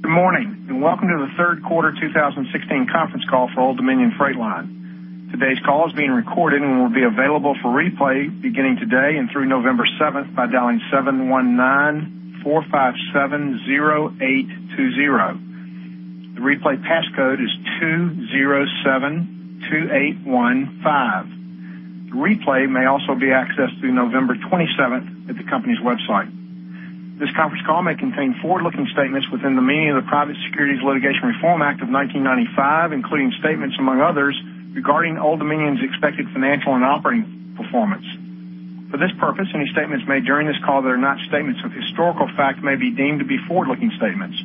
Good morning, welcome to the third quarter 2016 conference call for Old Dominion Freight Line. Today's call is being recorded and will be available for replay beginning today and through November 7th by dialing 719-457-0820. The replay passcode is 2072815. The replay may also be accessed through November 27th at the company's website. This conference call may contain forward-looking statements within the meaning of the Private Securities Litigation Reform Act of 1995, including statements among others regarding Old Dominion's expected financial and operating performance. For this purpose, any statements made during this call that are not statements of historical fact may be deemed to be forward-looking statements.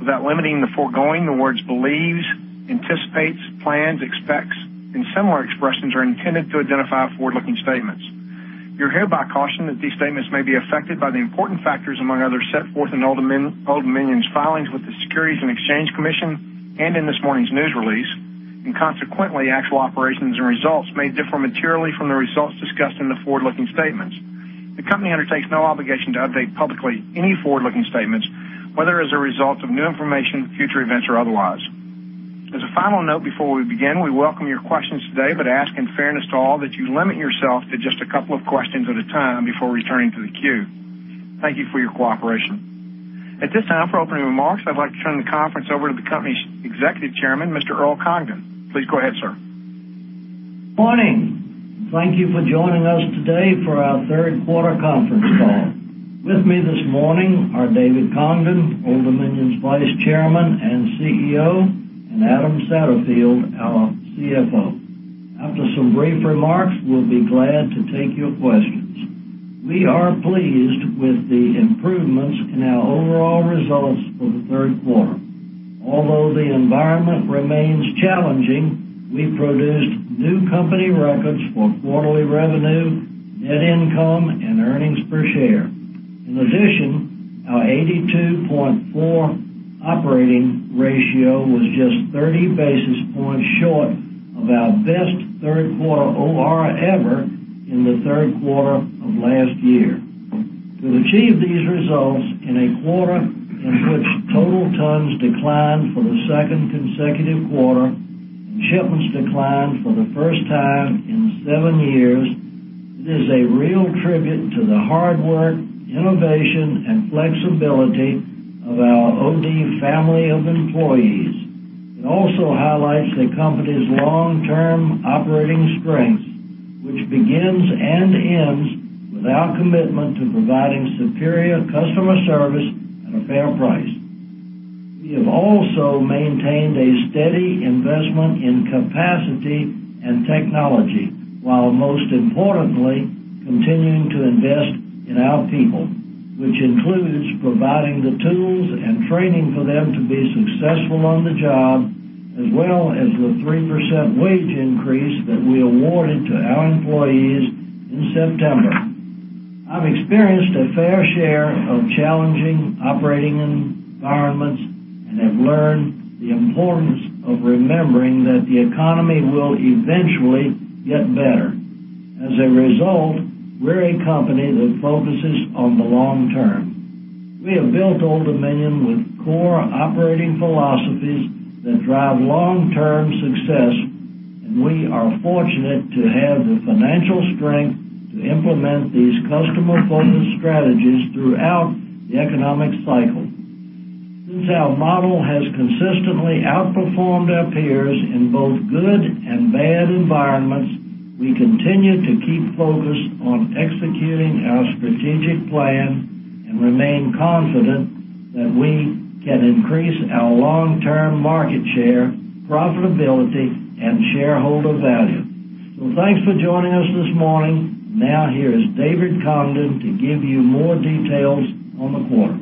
Without limiting the foregoing, the words believes, anticipates, plans, expects, and similar expressions are intended to identify forward-looking statements. You're hereby cautioned that these statements may be affected by the important factors, among others, set forth in Old Dominion's filings with the Securities and Exchange Commission and in this morning's news release, and consequently, actual operations and results may differ materially from the results discussed in the forward-looking statements. The company undertakes no obligation to update publicly any forward-looking statements, whether as a result of new information, future events, or otherwise. As a final note, before we begin, we welcome your questions today, but ask in fairness to all that you limit yourself to just a couple of questions at a time before returning to the queue. Thank you for your cooperation. At this time, for opening remarks, I'd like to turn the conference over to the company's Executive Chairman, Mr. Earl Congdon. Please go ahead, sir. Morning. Thank you for joining us today for our third quarter conference call. With me this morning are David Congdon, Old Dominion's Vice Chairman and CEO, and Adam Satterfield, our CFO. After some brief remarks, we'll be glad to take your questions. We are pleased with the improvements in our overall results for the third quarter. Although the environment remains challenging, we produced new company records for quarterly revenue, net income, and earnings per share. In addition, our 82.4 operating ratio was just 30 basis points short of our best third quarter OR ever in the third quarter of last year. To achieve these results in a quarter in which total tons declined for the second consecutive quarter, shipments declined for the first time in seven years. It is a real tribute to the hard work, innovation, and flexibility of our OD family of employees. It also highlights the company's long-term operating strengths, which begins and ends with our commitment to providing superior customer service at a fair price. We have also maintained a steady investment in capacity and technology while most importantly continuing to invest in our people, which includes providing the tools and training for them to be successful on the job, as well as the 3% wage increase that we awarded to our employees in September. I've experienced a fair share of challenging operating environments and have learned the importance of remembering that the economy will eventually get better. As a result, we're a company that focuses on the long term. We have built Old Dominion with core operating philosophies that drive long-term success, and we are fortunate to have the financial strength to implement these customer-focused strategies throughout the economic cycle. Since our model has consistently outperformed our peers in both good and bad environments, we continue to keep focused on executing our strategic plan and remain confident that we can increase our long-term market share, profitability, and shareholder value. Well, thanks for joining us this morning. Here is David Congdon to give you more details on the quarter.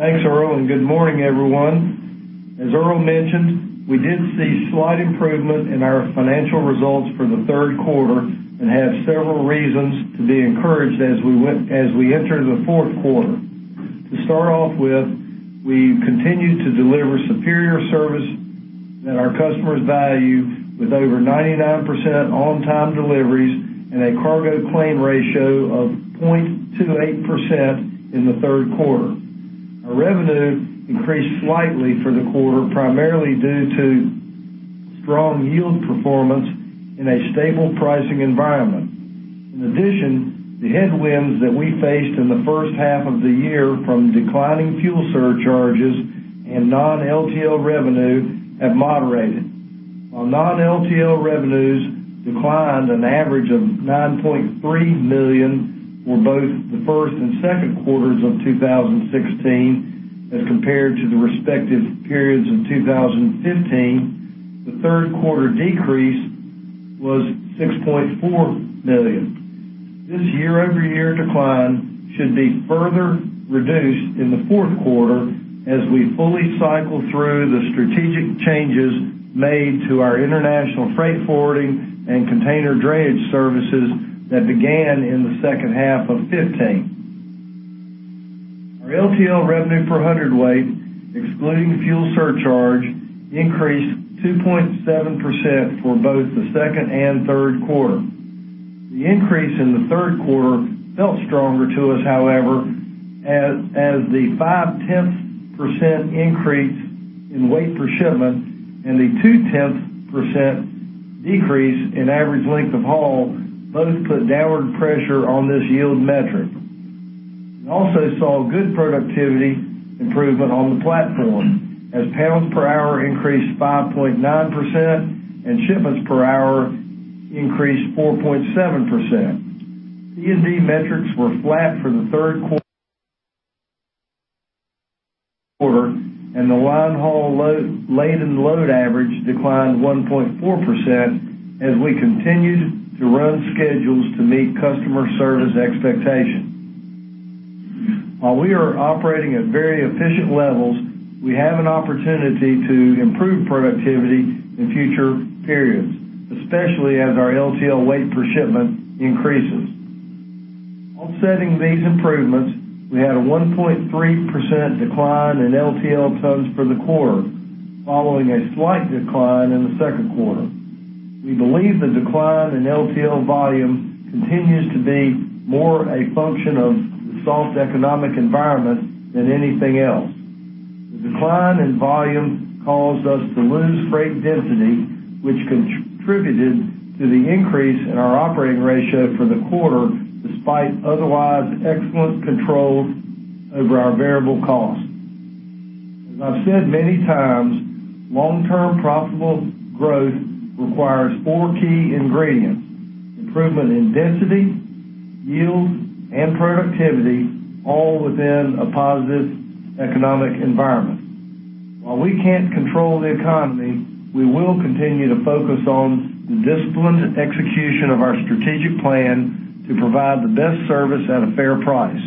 Thanks, Earl. Good morning, everyone. As Earl mentioned, we did see slight improvement in our financial results for the third quarter and have several reasons to be encouraged as we enter the fourth quarter. To start off with, we continued to deliver superior service that our customers value with over 99% on-time deliveries and a cargo claim ratio of 0.28% in the third quarter. Our revenue increased slightly for the quarter, primarily due to strong yield performance in a stable pricing environment. In addition, the headwinds that we faced in the first half of the year from declining fuel surcharges and non-LTL revenue have moderated. While non-LTL revenues declined an average of $9.3 million for both the first and second quarters of 2016 as compared to the respective periods in 2015, the third quarter decrease was $6.4 million. This year-over-year decline should be further reduced in the fourth quarter as we fully cycle through the strategic changes made to our international freight forwarding and container drayage services that began in the second half of 2015. Our LTL revenue per hundredweight, excluding fuel surcharge, increased 2.7% for both the second and third quarter. The increase in the third quarter felt stronger to us, however, as the five-tenths percent increase in weight per shipment and the two-tenths percent decrease in average length of haul both put downward pressure on this yield metric. We also saw good productivity improvement on the platform as pounds per hour increased 5.9% and shipments per hour increased 4.7%. P&D metrics were flat for the third quarter. The line haul laden load average declined 1.4% as we continued to run schedules to meet customer service expectations. While we are operating at very efficient levels, we have an opportunity to improve productivity in future periods, especially as our LTL weight per shipment increases. Offsetting these improvements, we had a 1.3% decline in LTL tons for the quarter, following a slight decline in the second quarter. We believe the decline in LTL volume continues to be more a function of the soft economic environment than anything else. The decline in volume caused us to lose freight density, which contributed to the increase in our Operating Ratio for the quarter, despite otherwise excellent control over our variable costs. As I've said many times, long-term profitable growth requires four key ingredients: improvement in density, yield, and productivity, all within a positive economic environment. While we can't control the economy, we will continue to focus on the disciplined execution of our strategic plan to provide the best service at a fair price.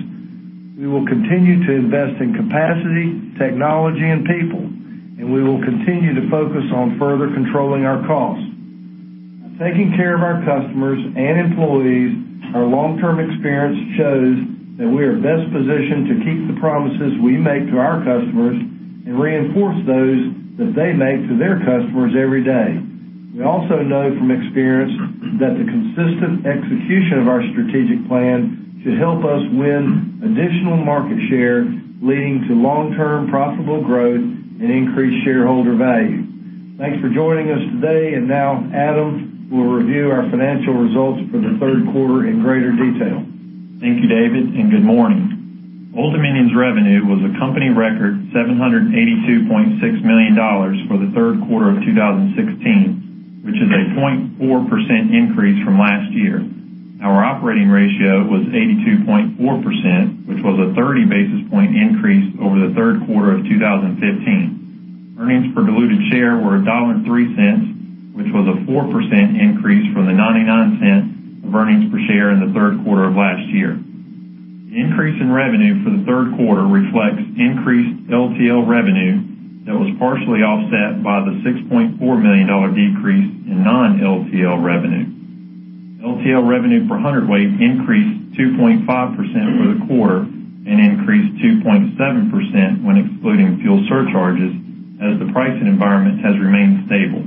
We will continue to invest in capacity, technology, and people. We will continue to focus on further controlling our costs. By taking care of our customers and employees, our long-term experience shows that we are best positioned to keep the promises we make to our customers and reinforce those that they make to their customers every day. We also know from experience that the consistent execution of our strategic plan should help us win additional market share, leading to long-term profitable growth and increased shareholder value. Thanks for joining us today. Now Adam will review our financial results for the third quarter in greater detail. Thank you, David, and good morning. Old Dominion's revenue was a company record $782.6 million for the third quarter of 2016, which is a 0.4% increase from last year. Our Operating Ratio was 82.4%, which was a 30-basis point increase over the third quarter of 2015. Earnings per diluted share were $1.03, which was a 4% increase from the $0.99 of earnings per share in the third quarter of last year. The increase in revenue for the third quarter reflects increased LTL revenue that was partially offset by the $6.4 million decrease in non-LTL revenue. LTL revenue per hundredweight increased 2.5% for the quarter and increased 2.7% when excluding fuel surcharges as the pricing environment has remained stable.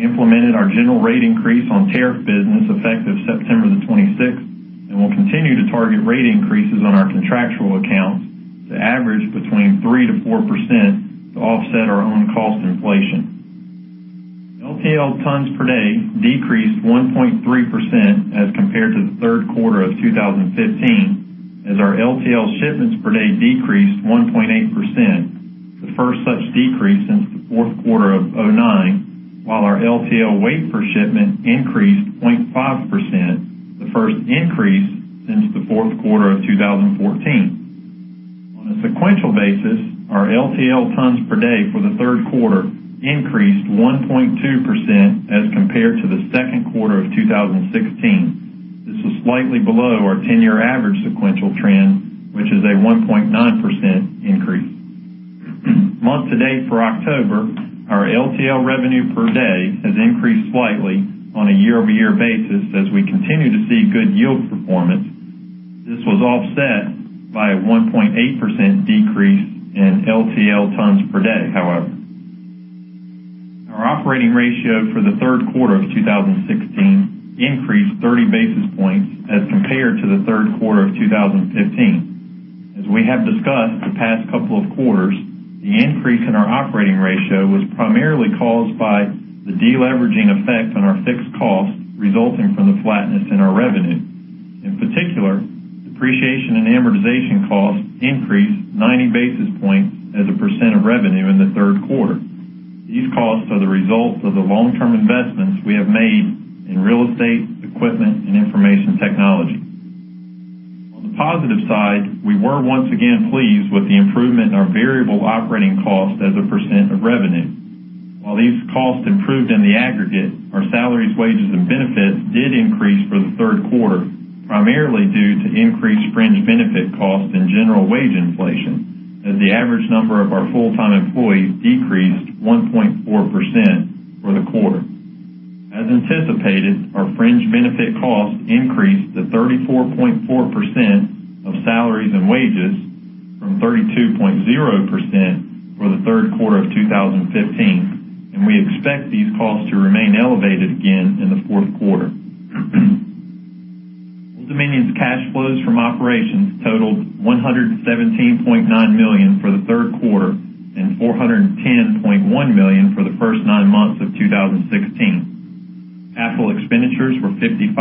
We implemented our General Rate Increase on tariff business effective September 26th. We will continue to target rate increases on our contractual accounts to average between 3%-4% to offset our own cost inflation. LTL tons per day decreased 1.3% as compared to the third quarter of 2015 as our LTL shipments per day decreased 1.8%, the first such decrease since the fourth quarter of 2009, while our LTL weight per shipment increased 0.5%, the first increase since the fourth quarter of 2014. On a sequential basis, our LTL tons per day for the third quarter increased 1.2% as compared to the second quarter of 2016. This is slightly below our 10-year average sequential trend, which is a 1.9% increase. Month-to-date for October, our LTL revenue per day has increased slightly on a year-over-year basis as we continue to see good yield performance. This was offset by a 1.8% decrease in LTL tons per day, however. Our operating ratio for the third quarter of 2016 increased 30 basis points as compared to the third quarter of 2015. As we have discussed the past couple of quarters, the increase in our operating ratio was primarily caused by the deleveraging effect on our fixed costs resulting from the flatness in our revenue. In particular, depreciation and amortization costs increased 90 basis points as a % of revenue in the third quarter. These costs are the result of the long-term investments we have made in real estate, equipment, and information technology. On the positive side, we were once again pleased with the improvement in our variable operating cost as a % of revenue. While these costs improved in the aggregate, our salaries, wages, and benefits did increase for the third quarter, primarily due to increased fringe benefit costs and general wage inflation as the average number of our full-time employees decreased 1.4% for the quarter. As anticipated, our fringe benefit costs increased to 34.4% of salaries and wages from 32.0% for the third quarter of 2015, and we expect these costs to remain elevated again in the fourth quarter. Old Dominion's cash flows from operations totaled $117.9 million for the third quarter and $410.1 million for the first nine months of 2016. Capital expenditures were $55.6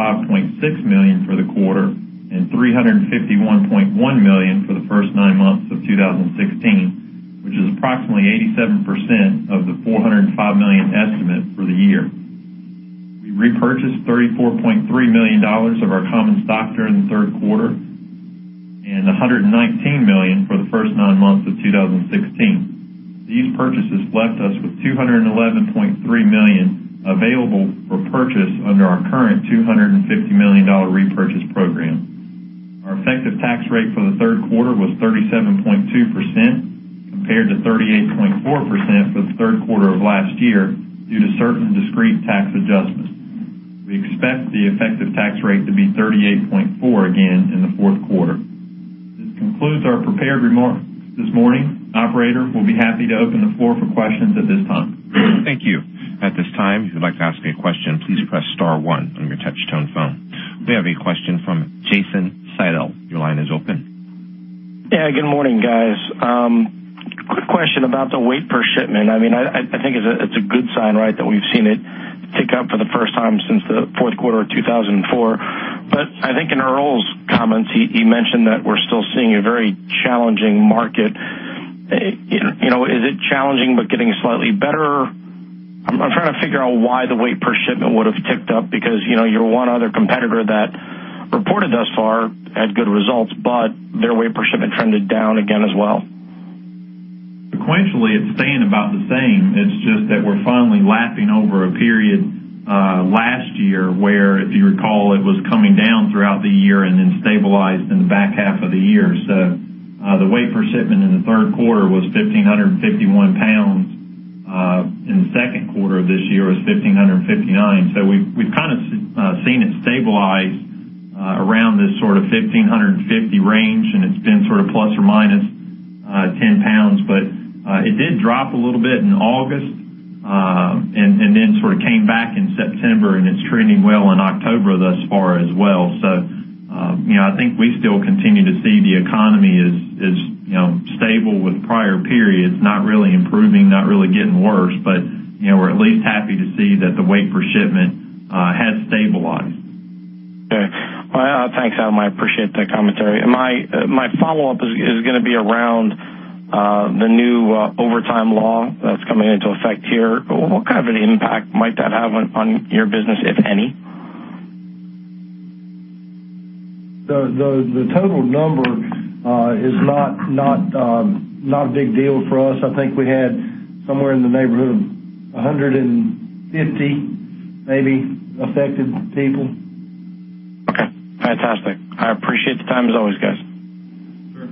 million for the quarter and $351.1 million for the first nine months of 2016, which is approximately 87% of the $405 million estimate for the year. We repurchased $34.3 million of our common stock during the third quarter and $119 million for the first nine months of 2016. These purchases left us with $211.3 million available for purchase under our current $250 million repurchase program. Our effective tax rate for the third quarter was 37.2%, compared to 38.4% for the third quarter of last year, due to certain discrete tax adjustments. We expect the effective tax rate to be 38.4% again in the fourth quarter. This concludes our prepared remarks this morning. Operator, we'll be happy to open the floor for questions at this time. Thank you. At this time, if you'd like to ask a question, please press * one on your touch-tone phone. We have a question from Jason Seidl. Your line is open. Yeah. Good morning, guys. Quick question about the weight per shipment. I think it's a good sign that we've seen it tick up for the first time since the fourth quarter of 2004. I think in Earl's comments, he mentioned that we're still seeing a very challenging market. Is it challenging but getting slightly better? I'm trying to figure out why the weight per shipment would've ticked up because your one other competitor that reported thus far had good results, but their weight per shipment trended down again as well. Sequentially, it's staying about the same. It's just that we're finally lapping over a period last year where, if you recall, it was coming down throughout the year and then stabilized in the back half of the year. The weight per shipment in the third quarter was 1,551 pounds. In the second quarter of this year, it was 1,559. We've kind of seen it stabilize around this sort of 1,550 range, and it's been sort of plus or minus 10 pounds. It did drop a little bit in August, and then sort of came back in September, and it's trending well in October thus far as well. I think we still continue to see the economy as stable with prior periods, not really improving, not really getting worse, but we're at least happy to see that the weight per shipment has stabilized. Okay. Well, thanks, Adam. I appreciate that commentary. My follow-up is going to be around the new overtime law that's coming into effect here. What kind of an impact might that have on your business, if any? The total number is not a big deal for us. I think we had somewhere in the neighborhood of 150 maybe affected people. Okay. Fantastic. I appreciate the time as always, guys. Sure.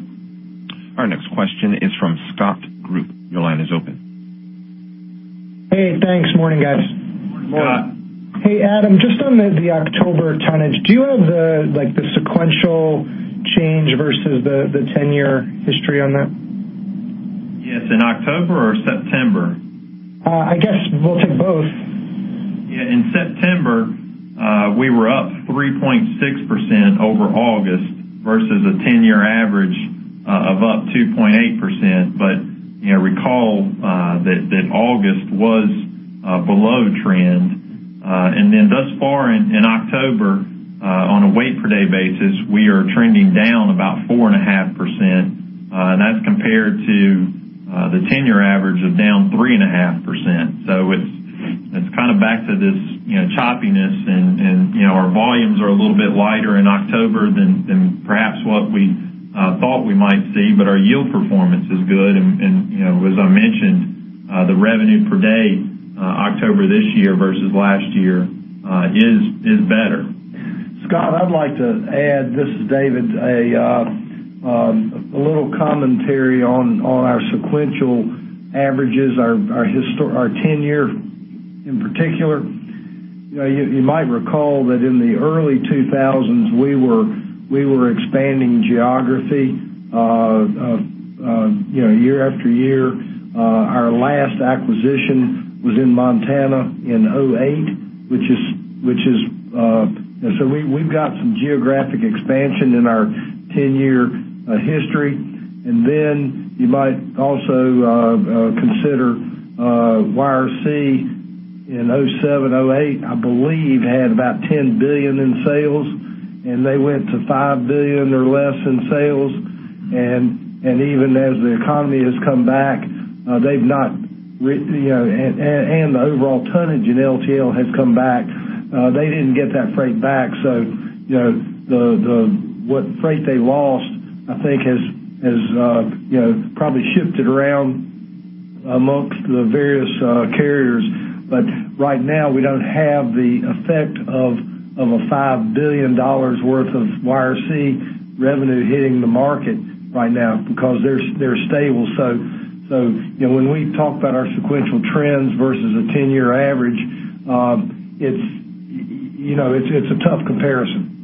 Our next question is from Scott Group. Your line is open. Hey, thanks. Morning, guys. Morning, Scott. Hey, Adam, just on the October tonnage, do you have the sequential change versus the 10-year history on that? Yes. In October or September? I guess we'll take both. Yeah. In September, we were up 3.6% over August versus a 10-year average of up 2.8%. Recall that August was below trend. Thus far in October, on a weight per day basis, we are trending down about 4.5%, and that's compared to the 10-year average of down 3.5%. It's kind of back to this choppiness. Our volumes are a little bit lighter in October than perhaps what we thought we might see. Our yield performance is good. As I mentioned, the revenue per day, October this year versus last year is better. Scott, I'd like to add, this is David, a little commentary on our sequential averages, our 10-year in particular. You might recall that in the early 2000s, we were expanding geography year after year. Our last acquisition was in Montana in 2008. We've got some geographic expansion in our 10-year history. You might also consider YRC in 2007, 2008, I believe, had about $10 billion in sales, and they went to $5 billion or less in sales. Even as the economy has come back, and the overall tonnage in LTL has come back, they didn't get that freight back. What freight they lost, I think has probably shifted around amongst the various carriers. Right now, we don't have the effect of a $5 billion worth of YRC revenue hitting the market right now because they're stable. When we talk about our sequential trends versus a 10-year average, it's It's a tough comparison.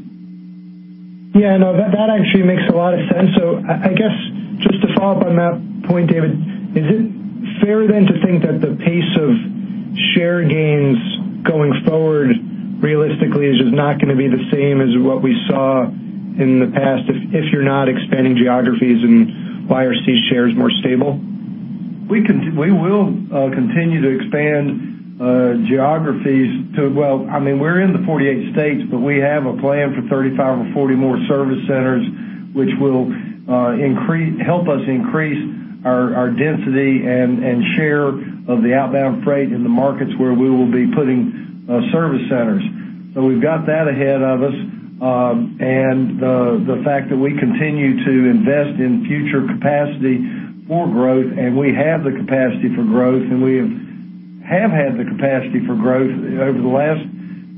Yeah, no, that actually makes a lot of sense. I guess just to follow up on that point, David, is it fair then to think that the pace of share gains going forward realistically is just not going to be the same as what we saw in the past if you're not expanding geographies and YRC shares more stable? We will continue to expand geographies to, well, we're in the 48 states, but we have a plan for 35 or 40 more service centers, which will help us increase our density and share of the outbound freight in the markets where we will be putting service centers. We've got that ahead of us, and the fact that we continue to invest in future capacity for growth, and we have the capacity for growth, and we have had the capacity for growth over the last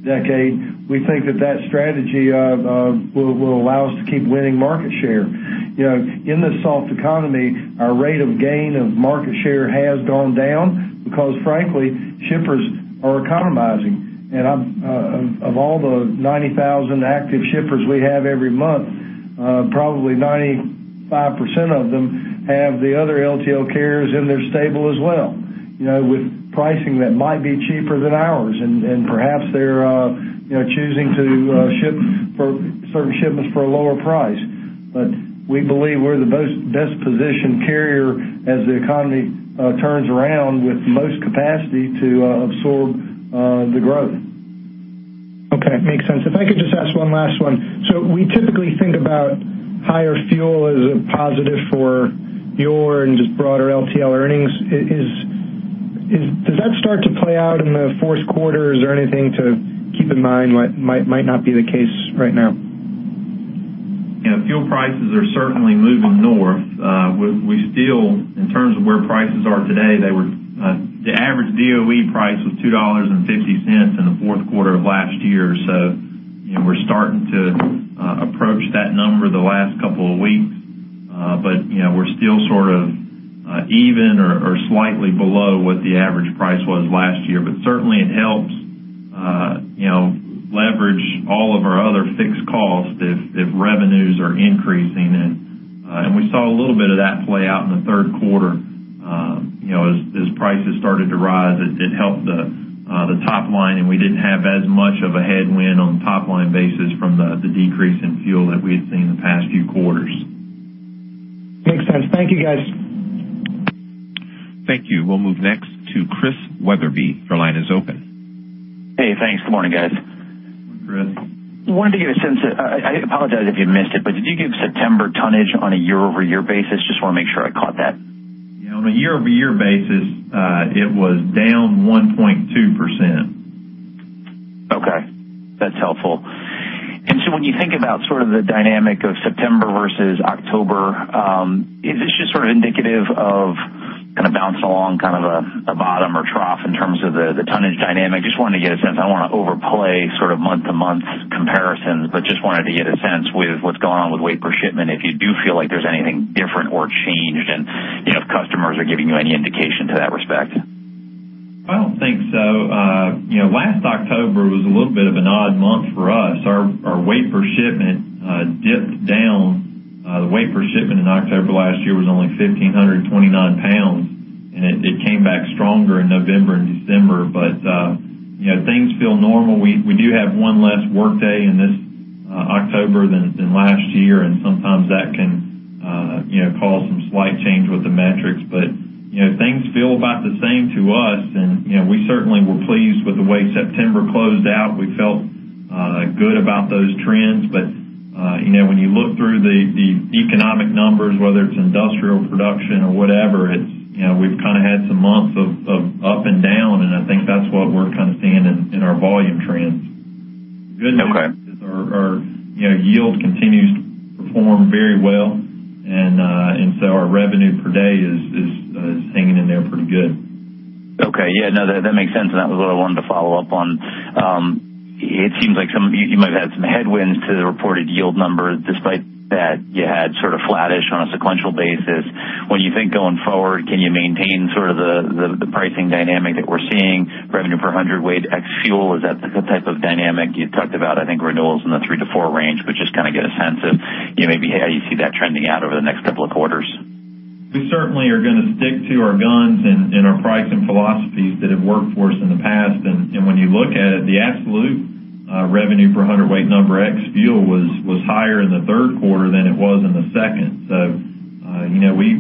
decade, we think that strategy will allow us to keep winning market share. In this soft economy, our rate of gain of market share has gone down because frankly, shippers are economizing. Of all the 90,000 active shippers we have every month, probably 95% of them have the other LTL carriers in their stable as well with pricing that might be cheaper than ours, and perhaps they're choosing to ship certain shipments for a lower price. We believe we're the best-positioned carrier as the economy turns around with the most capacity to absorb the growth. Okay. Makes sense. If I could just ask one last one. We typically think about higher fuel as a positive for your and just broader LTL earnings. Does that start to play out in the fourth quarter? Is there anything to keep in mind what might not be the case right now? Fuel prices are certainly moving north. We still, in terms of where prices are today, the average DOE price was $2.50 in the fourth quarter of last year. We're starting to approach that number the last couple of weeks. We're still even or slightly below what the average price was last year. Certainly it helps leverage all of our other fixed costs if revenues are increasing, and we saw a little bit of that play out in the third quarter. As prices started to rise, it helped the top line, and we didn't have as much of a headwind on a top-line basis from the decrease in fuel that we had seen in the past few quarters. Makes sense. Thank you, guys. Thank you. We'll move next to Chris Wetherbee. Your line is open. Hey, thanks. Good morning, guys. Chris. Wanted to get a sense, I apologize if you missed it, did you give September tonnage on a year-over-year basis? Just want to make sure I caught that. Yeah. On a year-over-year basis, it was down 1.2%. Okay. That's helpful. When you think about the dynamic of September versus October, is this just indicative of bouncing along a bottom or trough in terms of the tonnage dynamic? Just wanted to get a sense. I don't want to overplay month-to-month comparisons, but just wanted to get a sense with what's going on with weight per shipment, if you do feel like there's anything different or changed, and if customers are giving you any indication to that respect. I don't think so. Last October was a little bit of an odd month for us. Our weight per shipment dipped down. The weight per shipment in October last year was only 1,529 pounds, it came back stronger in November and December. Things feel normal. We do have one less workday in this October than last year, sometimes that can cause some slight change with the metrics. Things feel about the same to us, we certainly were pleased with the way September closed out. We felt good about those trends. When you look through the economic numbers, whether it's industrial production or whatever, we've had some months of up and down, and I think that's what we're seeing in our volume trends. Okay. Good news is our yield continues to perform very well, our revenue per day is hanging in there pretty good. Okay. Yeah, no, that makes sense, and that was what I wanted to follow up on. It seems like you might've had some headwinds to the reported yield numbers. Despite that, you had sort of flattish on a sequential basis. When you think going forward, can you maintain the pricing dynamic that we're seeing, revenue per hundredweight ex fuel? Is that the type of dynamic you talked about? I think renewals in the 3-4 range, but just to get a sense of maybe how you see that trending out over the next couple of quarters. We certainly are going to stick to our guns and our pricing philosophies that have worked for us in the past. When you look at it, the absolute revenue per hundredweight number ex fuel was higher in the third quarter than it was in the second.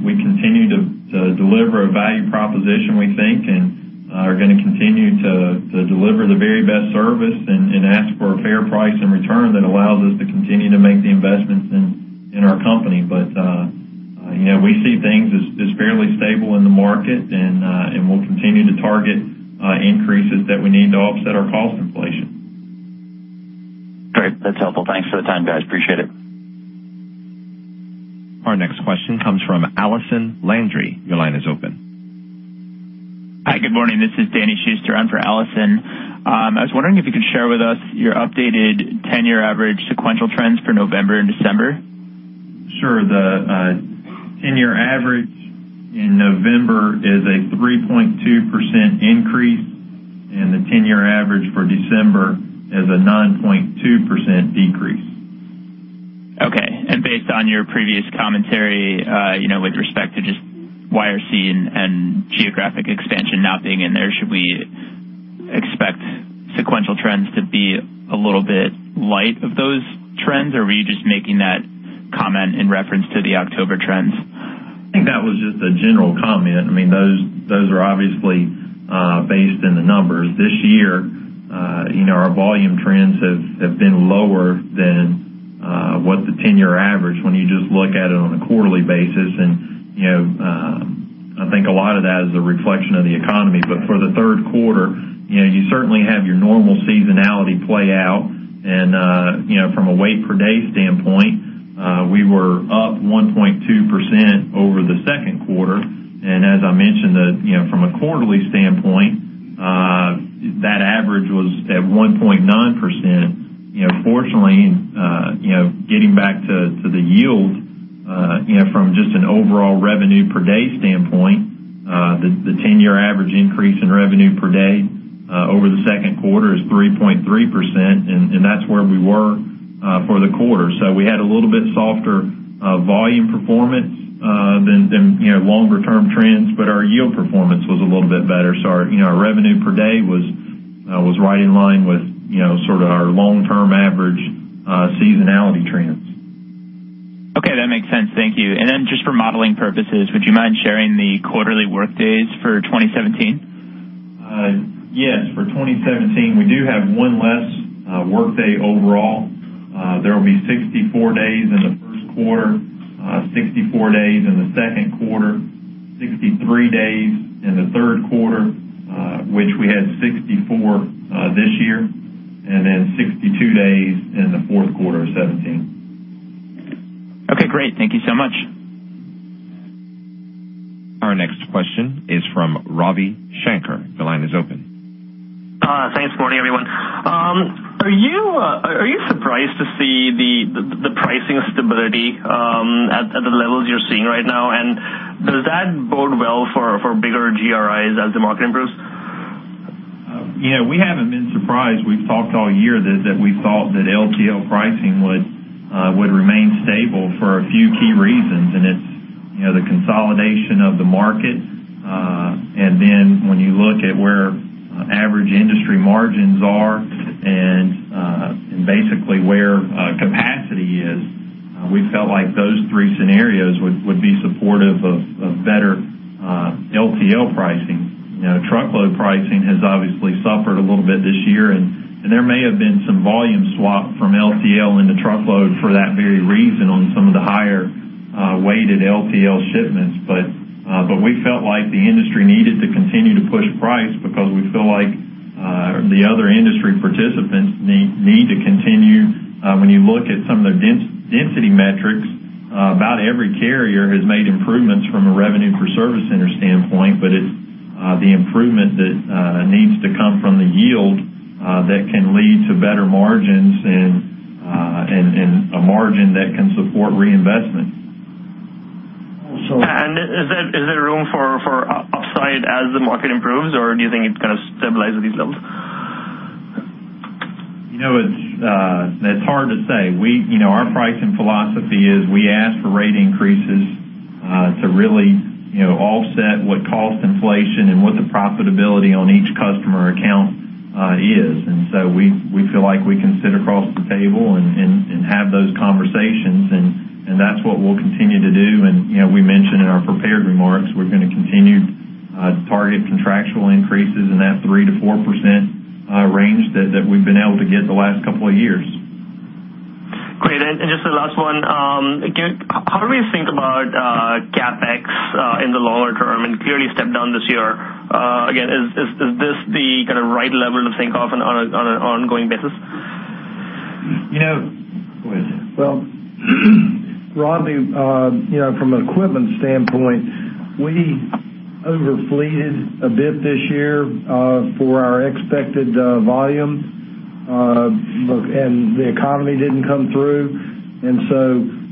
We continue to deliver a value proposition, we think, and are going to continue to deliver the very best service and ask for a fair price in return that allows us to continue to make the investments in our company. We see things as fairly stable in the market, and we'll continue to target increases that we need to offset our cost inflation. Great. That's helpful. Thanks for the time, guys. Appreciate it. Our next question comes from Allison Landry. Your line is open. Hi, good morning. This is Danny Schuster. I'm for Allison. I was wondering if you could share with us your updated 10-year average sequential trends for November and December. Sure. The 10-year average in November is a 3.2% increase, the 10-year average for December is a 9.2% decrease. Okay. Based on your previous commentary, with respect to just YRC and geographic expansion not being in there, should we expect sequential trends to be a little bit light of those trends? Were you just making that comment in reference to the October trends? I think that was just a general comment. Those are obviously based in the numbers. This year, our volume trends have been lower than what the 10-year average, when you just look at it on a quarterly basis. I think a lot of that is a reflection of the economy. For the third quarter, you certainly have your normal seasonality play out. From a weight per day standpoint, we were up 1.2% over the second quarter. As I mentioned, from a quarterly standpoint, that average was at 1.9%. Fortunately, getting back to the yield, from just an overall revenue per day standpoint, the 10-year average increase in revenue per day over the second quarter is 3.3%, and that's where we were for the quarter. We had a little bit softer volume performance than longer term trends, but our yield performance was a little bit better. Our revenue per day was right in line with sort of our long-term average seasonality trends. Okay. That makes sense. Thank you. Then just for modeling purposes, would you mind sharing the quarterly workdays for 2017? Yes. For 2017, we do have one less workday overall. There will be 64 days in the first quarter, 64 days in the second quarter, 63 days in the third quarter, which we had 64 this year, then 62 days in the fourth quarter of 2017. Okay, great. Thank you so much. Our next question is from Ravi Shanker. The line is open. Thanks. Morning, everyone. Are you surprised to see the pricing stability at the levels you're seeing right now? Does that bode well for bigger GRIs as the market improves? We haven't been surprised. We've talked all year that we thought that LTL pricing would remain stable for a few key reasons, it's the consolidation of the market. When you look at where average industry margins are and basically where capacity is, we felt like those three scenarios would be supportive of better LTL pricing. Truckload pricing has obviously suffered a little bit this year, there may have been some volume swap from LTL into truckload for that very reason on some of the higher weighted LTL shipments. We felt like the industry needed to continue to push price because we feel like the other industry participants need to continue. When you look at some of the density metrics, about every carrier has made improvements from a revenue per service center standpoint, it's the improvement that needs to come from the yield that can lead to better margins and a margin that can support reinvestment. Is there room for upside as the market improves or do you think it's going to stabilize at these levels? It's hard to say. Our pricing philosophy is we ask for rate increases to really offset what cost inflation and what the profitability on each customer account is. So we feel like we can sit across the table and have those conversations and that's what we'll continue to do. We mentioned in our prepared remarks, we're going to continue to target contractual increases in that 3%-4% range that we've been able to get the last couple of years. Great. Just the last one. How do we think about CapEx in the longer term? Clearly step down this year. Again, is this the right level to think of on an ongoing basis? Go ahead, David. Ravi, from an equipment standpoint, we over-fleeted a bit this year for our expected volume, the economy didn't come through.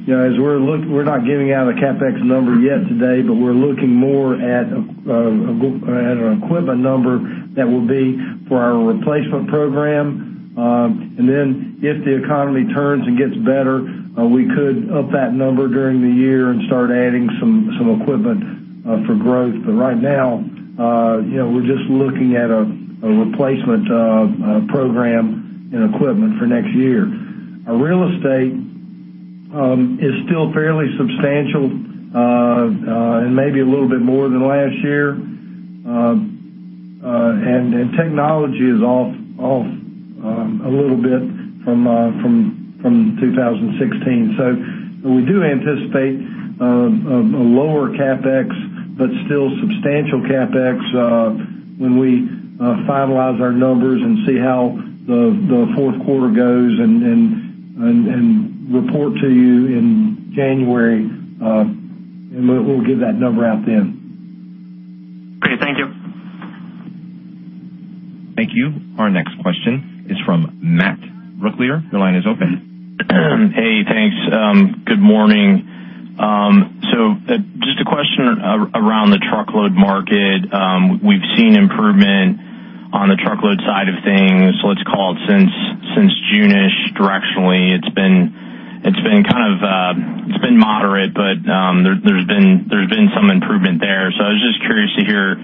We're not giving out a CapEx number yet today, but we're looking more at an equipment number that will be for our replacement program. If the economy turns and gets better, we could up that number during the year and start adding some equipment for growth. Right now, we're just looking at a replacement program and equipment for next year. Our real estate is still fairly substantial, maybe a little bit more than last year. Technology is off a little bit from 2016. We do anticipate a lower CapEx, but still substantial CapEx, when we finalize our numbers and see how the fourth quarter goes and report to you in January. We'll give that number out then. Great. Thank you. Thank you. Our next question is from Matt Brooklier. Your line is open. Hey, thanks. Good morning. Just a question around the truckload market. We've seen improvement on the truckload side of things, let's call it since June-ish, directionally. It's been moderate, but there's been some improvement there. I was just curious to hear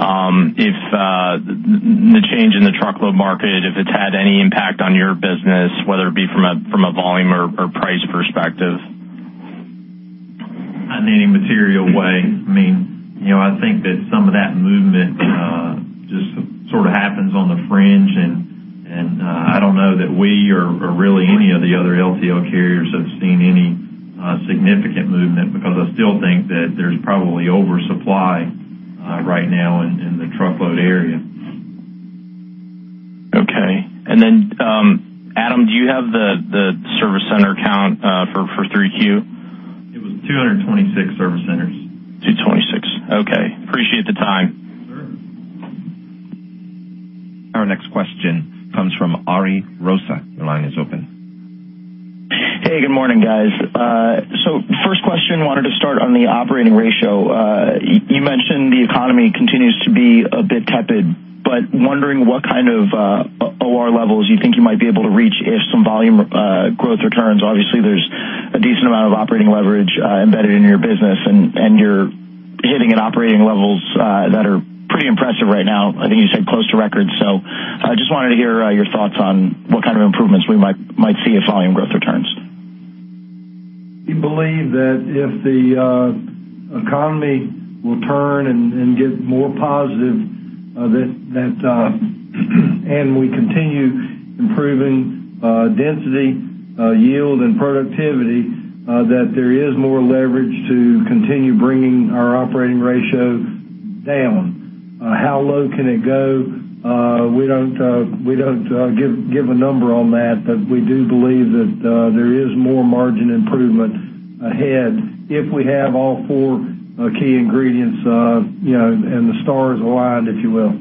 if the change in the truckload market, if it's had any impact on your business, whether it be from a volume or price perspective. Not in any material way. I think that some of that movement just sort of happens on the fringe, and I don't know that we or really any of the other LTL carriers have seen any significant movement because I still think that there's probably oversupply right now in the truckload area. Okay. Adam, do you have the service center count for 3Q? It was 226 service centers. 226. Okay. Appreciate the time. Sure. Our next question comes from Ari Rosa. Your line is open. Hey, good morning, guys. First question, wanted to start on the operating ratio. You mentioned the economy continues to be a bit tepid, but wondering what kind of OR levels you think you might be able to reach if some volume growth returns. Obviously, there's a decent amount of operating leverage embedded in your business, and you're hitting at operating levels that are pretty impressive right now. I think you said close to record. I just wanted to hear your thoughts on what kind of improvements we might see if volume growth returns. We believe that if the economy will turn and get more positive, and we continue improving density, yield, and productivity, that there is more leverage to continue bringing our operating ratio down. How low can it go? We don't give a number on that, but we do believe that there is more margin improvement ahead if we have all four key ingredients, and the stars aligned, if you will.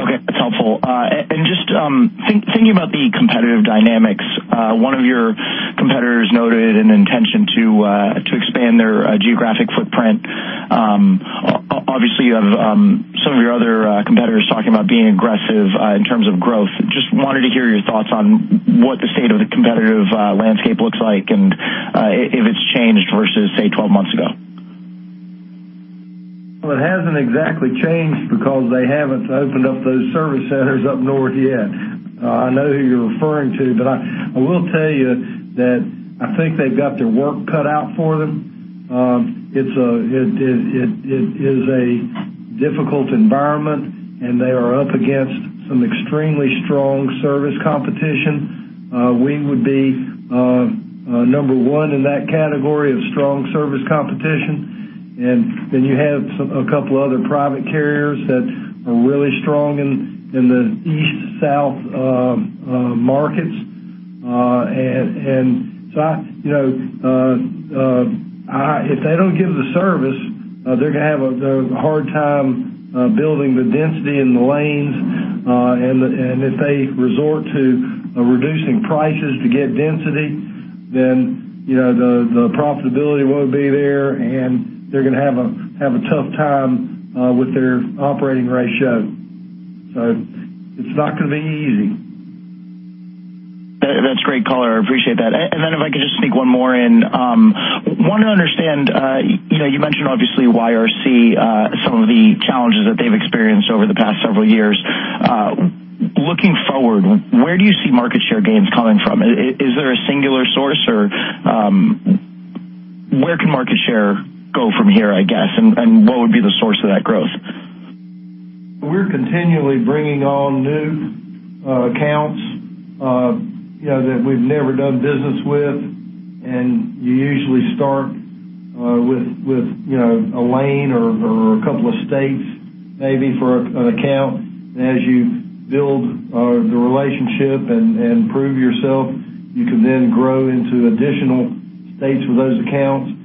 Okay. That's helpful. Just thinking about the competitive dynamics, one of your competitors noted an intention to expand their geographic footprint. Obviously, you have some of your other competitors talking about being aggressive in terms of growth. Just wanted to hear your thoughts on what the state of the competitive landscape looks like, and if it's changed versus, say, 12 months ago. Well, it hasn't exactly changed because they haven't opened up those service centers up north yet. I know who you're referring to, but I will tell you that I think they've got their work cut out for them. It is a difficult environment, and they are up against some extremely strong service competition. We would be number one in that category of strong service competition. Then you have a couple of other private carriers that are really strong in the Southeast markets. If they don't give the service, they're going to have a hard time building the density in the lanes. If they resort to reducing prices to get density, then the profitability won't be there, and they're going to have a tough time with their operating ratio. It's not going to be easy. That's great, caller. I appreciate that. Then if I could just sneak one more in. Want to understand, you mentioned obviously YRC, some of the challenges that they've experienced over the past several years. Looking forward, where do you see market share gains coming from? Is there a singular source? Where can market share go from here, I guess? What would be the source of that growth? We're continually bringing on new accounts that we've never done business with. You usually start with a lane or a couple of states, maybe for an account. As you build the relationship and prove yourself, you can then grow into additional states with those accounts.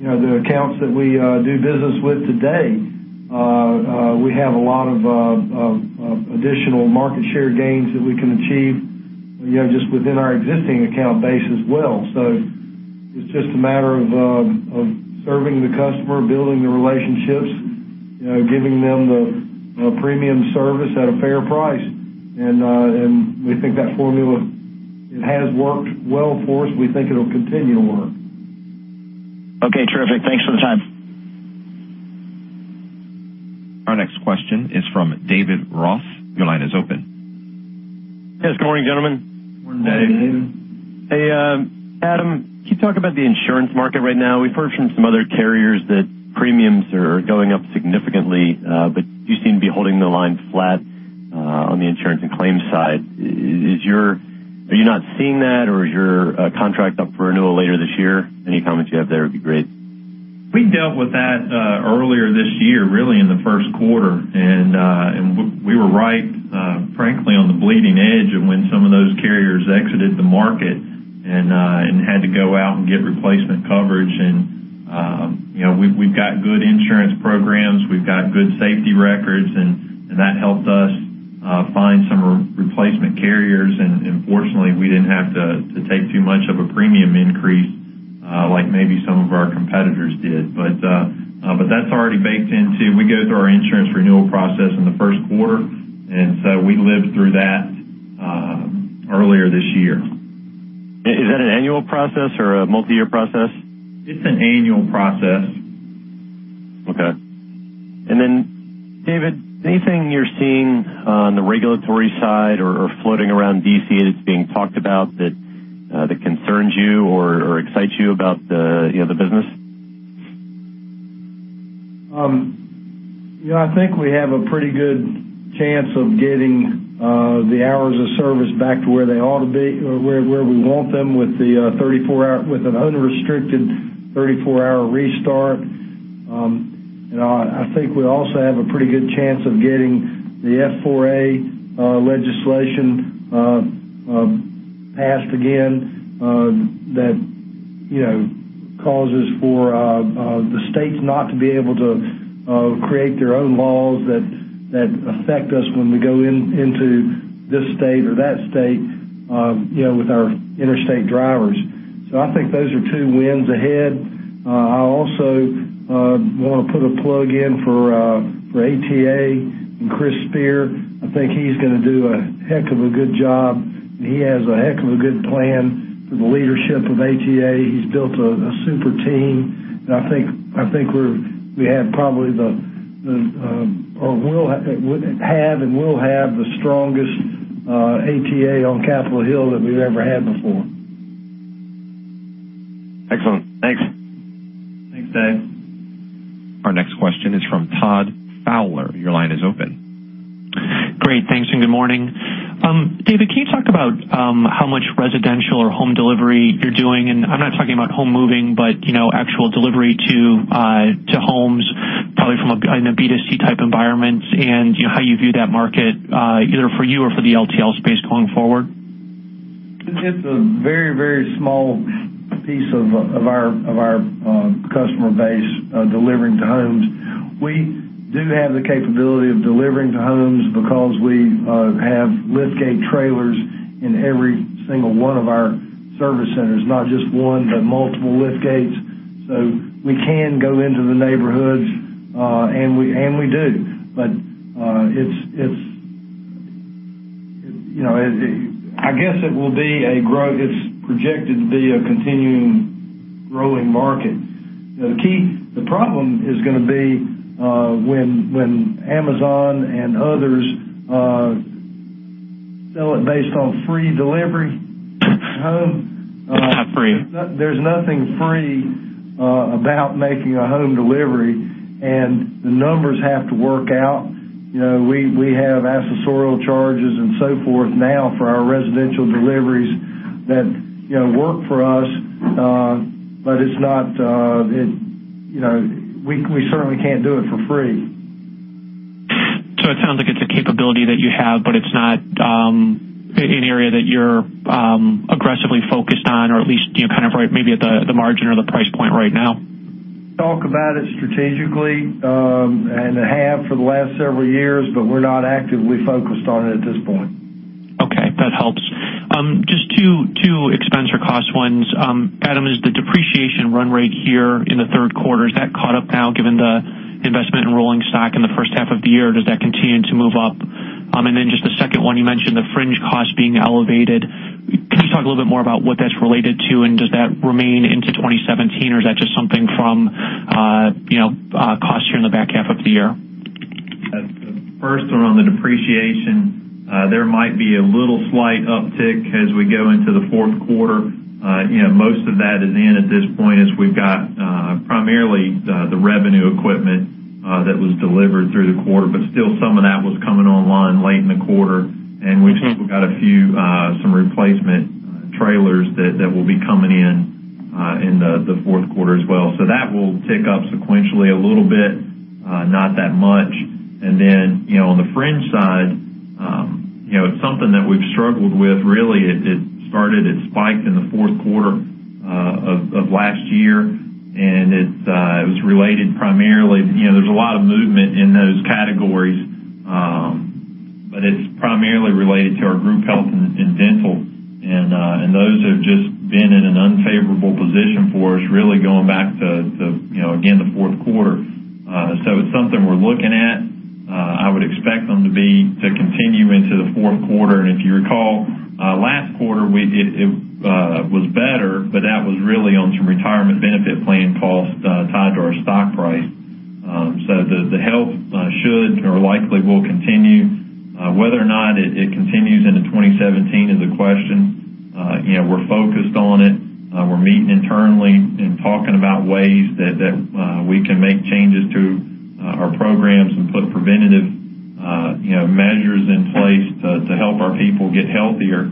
The accounts that we do business with today, we have a lot of additional market share gains that we can achieve just within our existing account base as well. It's just a matter of serving the customer, building the relationships, giving them the premium service at a fair price. We think that formula, it has worked well for us. We think it'll continue to work. Okay, terrific. Thanks for the time. Our next question is from David Ross. Your line is open. Yes, good morning, gentlemen. Morning, David. Morning. Hey, Adam, can you talk about the insurance market right now? We've heard from some other carriers that premiums are going up significantly, but you seem to be holding the line flat on the insurance and claims side. Are you not seeing that, or is your contract up for renewal later this year? Any comments you have there would be great. We dealt with that earlier this year, really in the first quarter, we were right frankly on the bleeding edge of when some of those carriers exited the market and had to go out and get replacement coverage. We've got good insurance programs. We've got good safety records, and that helped us Find some replacement carriers. Fortunately, we didn't have to take too much of a premium increase like maybe some of our competitors did. That's already baked into We go through our insurance renewal process in the first quarter, we lived through that earlier this year. Is that an annual process or a multi-year process? It's an annual process. Okay. David, anything you're seeing on the regulatory side or floating around D.C. that's being talked about that concerns you or excites you about the business? I think we have a pretty good chance of getting the hours of service back to where they ought to be or where we want them with an unrestricted 34-hour restart. I think we also have a pretty good chance of getting the F4A legislation passed again, that causes for the states not to be able to create their own laws that affect us when we go into this state or that state with our interstate drivers. I think those are two wins ahead. I also want to put a plug in for ATA and Chris Spear. I think he's going to do a heck of a good job, and he has a heck of a good plan for the leadership of ATA. He's built a super team, I think we have probably have and will have the strongest ATA on Capitol Hill that we've ever had before. Excellent. Thanks. Thanks, Dave. Our next question is from Todd Fowler. Your line is open. Great. Thanks. Good morning. David, can you talk about how much residential or home delivery you're doing? I'm not talking about home moving, but actual delivery to homes, probably from a B2C type environment and how you view that market, either for you or for the LTL space going forward. It's a very small piece of our customer base delivering to homes. We do have the capability of delivering to homes because we have liftgate trailers in every single one of our service centers, not just one, but multiple liftgates. We can go into the neighborhoods, and we do. I guess it will be a grow that's projected to be a continuing growing market. The problem is going to be when Amazon and others sell it based on free delivery to home. It's not free. There's nothing free about making a home delivery, the numbers have to work out. We have accessorial charges and so forth now for our residential deliveries that work for us. We certainly can't do it for free. It sounds like it's a capability that you have, but it's not an area that you're aggressively focused on, or at least maybe at the margin or the price point right now. Talk about it strategically, have for the last several years, but we're not actively focused on it at this point. Okay. That helps. Just two expense or cost ones. Adam, is the depreciation run rate here in the third quarter, is that caught up now given the investment in rolling stock in the first half of the year? Does that continue to move up? Then just the second one you mentioned, the fringe cost being elevated. Can you talk a little bit more about what that's related to, and does that remain into 2017, or is that just something from cost here in the back half of the year? The first one on the depreciation, there might be a little slight uptick as we go into the fourth quarter. Most of that is in at this point as we've got primarily the revenue equipment that was delivered through the quarter. Still, some of that was coming online late in the quarter, and we've still got a few, some replacement trailers that will be coming in the fourth quarter as well. That will tick up sequentially a little bit, not that much. Then, on the fringe side, it's something that we've struggled with really. It spiked in the fourth quarter of last year, and it was related primarily. There's a lot of movement in those categories, but it's primarily related to our group health and dental, and those have just been in an unfavorable position for us, really going back to, again, the fourth quarter. It's something we're looking at. I would expect them to continue into the fourth quarter. If you recall, last quarter it was better, but that was really on some retirement benefit plan costs tied to our stock price. The help should or likely will continue. Whether or not it continues into 2017 is a question. We're focused on it. We're meeting internally and talking about ways that we can make changes to our programs and put preventative measures in place to help our people get healthier.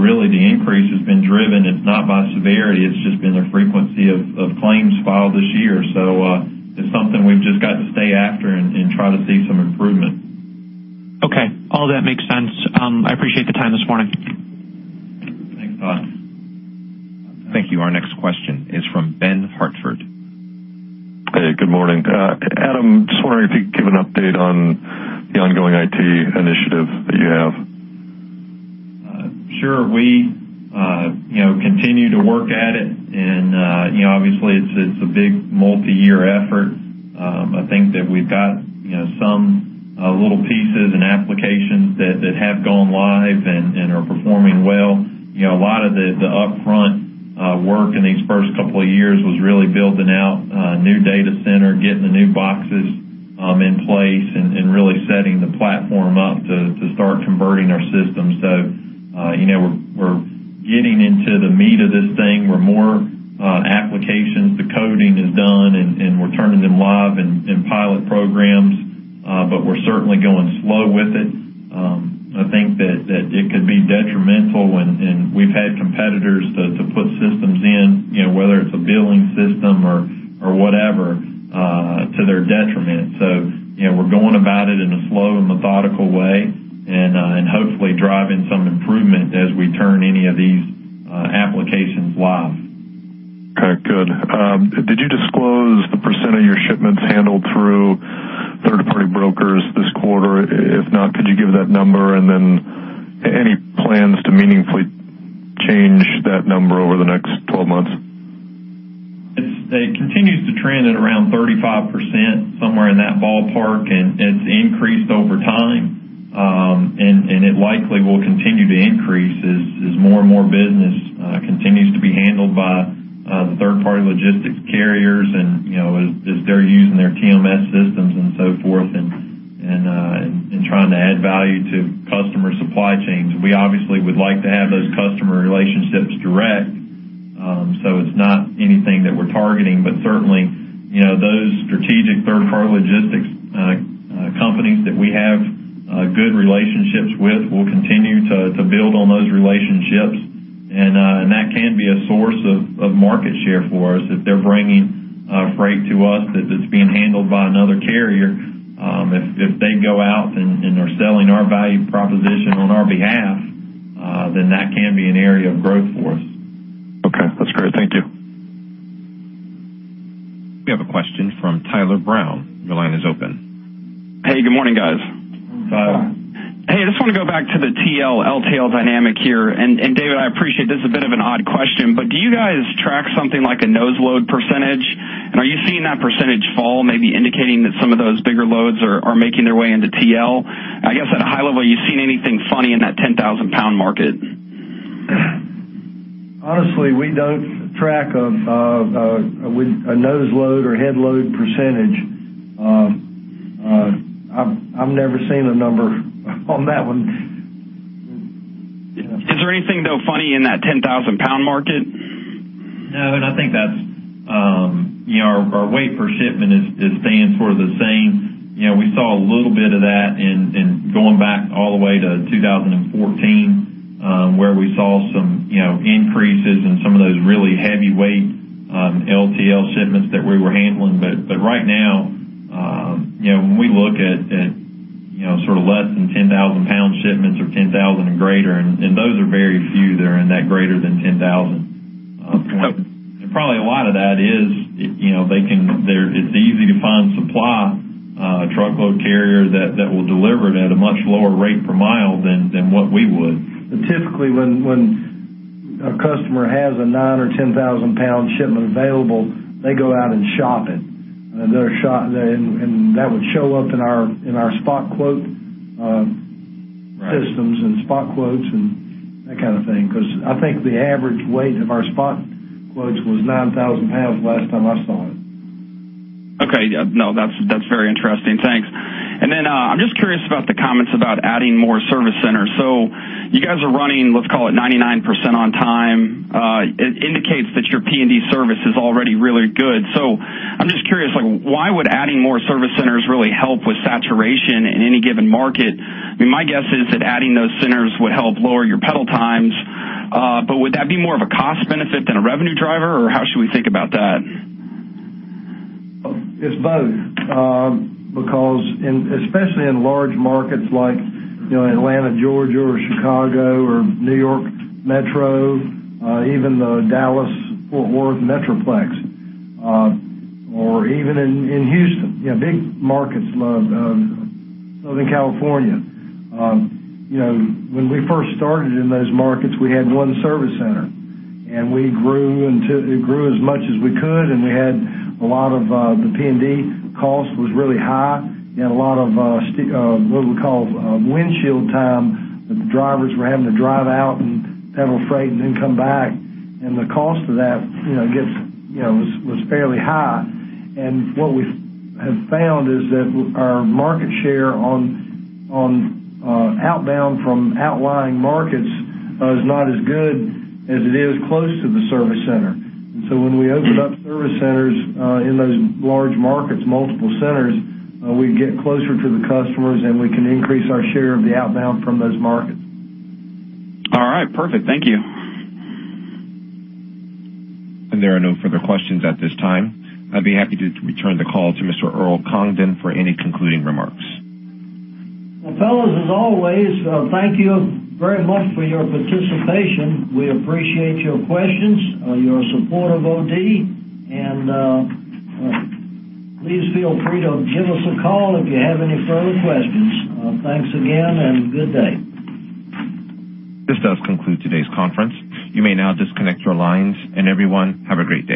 Really, the increase has been driven, it's not by severity, it's just been the frequency of claims filed this year. It's something we've just got to stay after and try to see some improvement. Okay. All that makes sense. I appreciate the time this morning. Thank you. Our next question is from Ben Hartford. Hey, good morning. Adam, just wondering if you could give an update on the ongoing IT initiative that you have. Sure. We continue to work at it, and obviously it's a big multi-year effort. I think that we've got some little pieces and applications that have gone live and are performing well. A lot of the upfront work in these first couple of years was really building out a new data center, getting the new boxes in place, and really setting the platform up to start converting our systems. We're getting into the meat of this thing, where more applications, the coding is done, and we're turning them live in pilot programs. We're certainly going slow with it. I think that it could be detrimental when, and we've had competitors to put systems in, whether it's a billing system or whatever, to their detriment. We're going about it in a slow and methodical way and hopefully driving some improvement as we turn any of these applications live. Okay, good. Did you disclose the % of your shipments handled through third-party brokers this quarter? If not, could you give that number? Then any plans to meaningfully change that number over the next 12 months? It continues to trend at around 35%, somewhere in that ballpark, and it's increased over time. It likely will continue to increase as more and more business continues to be handled by the third-party logistics carriers, and as they're using their TMS systems and so forth and trying to add value to customer supply chains. We obviously would like to have those customer relationships direct. It's not anything that we're targeting, but certainly, those strategic third-party logistics companies that we have good relationships with, we'll continue to build on those relationships. That can be a source of market share for us if they're bringing freight to us that it's being handled by another carrier. If they go out and are selling our value proposition on our behalf, that can be an area of growth for us. Okay. That's great. Thank you. We have a question from Tyler Brown. Your line is open. Hey, good morning, guys. Good morning. Hey, I just want to go back to the TL, LTL dynamic here. David, I appreciate this is a bit of an odd question, but do you guys track something like a nose load percentage? Are you seeing that percentage fall, maybe indicating that some of those bigger loads are making their way into TL? I guess at a high level, you seen anything funny in that 10,000 pound market? Honestly, we don't track a nose load or head load percentage. I've never seen a number on that one. Is there anything, though, funny in that 10,000 pound market? No, I think that our weight per shipment is staying sort of the same. We saw a little bit of that in going back all the way to 2014, where we saw some increases in some of those really heavyweight LTL shipments that we were handling. Right now, when we look at sort of less than 10,000 pound shipments or 10,000 and greater, and those are very few that are in that greater than 10,000. Okay. Probably a lot of that is it's easy to find supply, a truckload carrier that will deliver it at a much lower rate per mile than what we would. Typically when a customer has a 9 or 10,000 pound shipment available, they go out and shop it. That would show up in our spot quote systems. Right Spot quotes and that kind of thing. Because I think the average weight of our spot quotes was 9,000 pounds last time I saw it. Okay. No, that's very interesting. Thanks. I'm just curious about the comments about adding more service centers. You guys are running, let's call it 99% on time. It indicates that your P&D service is already really good. I'm just curious, why would adding more service centers really help with saturation in any given market? My guess is that adding those centers would help lower your pedal times. Would that be more of a cost benefit than a revenue driver, or how should we think about that? It's both. Especially in large markets like Atlanta, Georgia, or Chicago or New York Metro, even the Dallas-Fort Worth metroplex, or even in Houston, big markets, Southern California. When we first started in those markets, we had one service center, and it grew as much as we could, and we had a lot of the P&D cost was really high. We had a lot of what we call windshield time that the drivers were having to drive out and pedal freight and then come back, and the cost of that was fairly high. What we have found is that our market share on outbound from outlying markets is not as good as it is close to the service center. When we opened up service centers in those large markets, multiple centers, we get closer to the customers, and we can increase our share of the outbound from those markets. All right. Perfect. Thank you. There are no further questions at this time. I'd be happy to return the call to Mr. Earl Congdon for any concluding remarks. Fellas, as always, thank you very much for your participation. We appreciate your questions, your support of OD, and please feel free to give us a call if you have any further questions. Thanks again, and good day. This does conclude today's conference. You may now disconnect your lines, and everyone, have a great day.